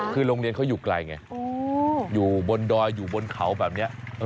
คือโรงเรียนเขาอยู่ไกลไงอยู่บนดอยอยู่บนเขาแบบนี้